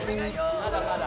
まだまだ。